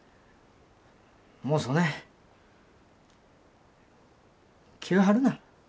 もうそねん気を張るな。